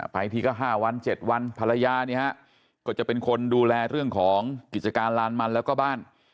ไปทีก็๕วัน๗วันภรรยาเนี่ยฮะก็จะเป็นคนดูแลเรื่องของกิจการลานมันแล้วก็บ้าน